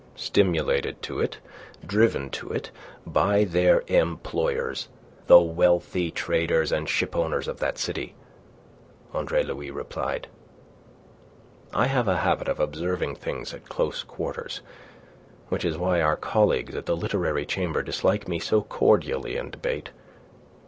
"Stimulated to it, driven to it, by their employers, the wealthy traders and shipowners of that city," Andre Louis replied. "I have a habit of observing things at close quarters, which is why our colleagues of the Literary Chamber dislike me so cordially in debate.